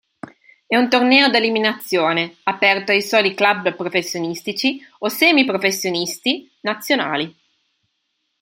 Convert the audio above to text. È un torneo ad eliminazione aperto ai soli club professionistici o semiprofessionisti nazionali.